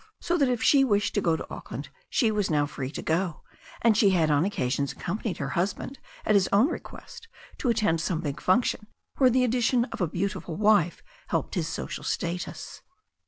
So that if she wished to go to Auck land she was now free to go, and she had on occasions accompanied her husband at his own request to attend some big function where the addition of a beautiful wife helped his social status.